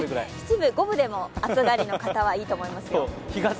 五分でも暑がりの方はいいと思いますよ。